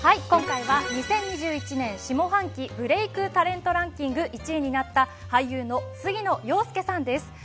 今回は２０２１年下半期ブレイクタレントランキング１位になった俳優の杉野遥亮さんです。